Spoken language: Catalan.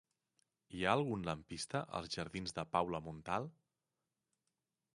Hi ha algun lampista als jardins de Paula Montal?